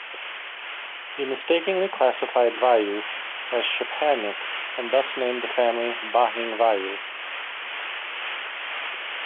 He mistakenly classified Vayu as Chepangic and thus named the family Bahing-Vayu.